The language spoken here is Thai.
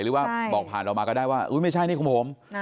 หรือว่าบอกผ่านเรามาก็ได้ว่าไม่ใช่นี่ของผม